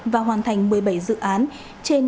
và hoàn thành một mươi bảy dự án trên